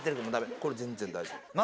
これ全然大丈夫。